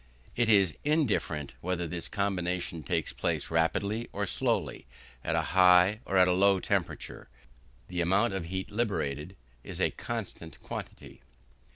It is indifferent whether this combination takes place rapidly or slowly, at a high or at a low temperature: the amount of heat liberated is a constant quantity.